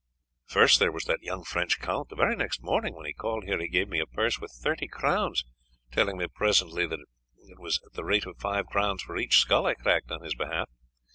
First there was that young French count, the very next morning when he called here he gave me a purse with thirty crowns, telling me pleasantly that it was at the rate of five crowns for each skull I cracked on his behalf.